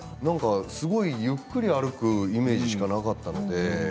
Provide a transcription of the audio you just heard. すごくゆっくり歩くイメージしかなかったので。